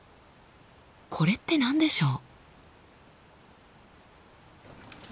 これって何でしょう？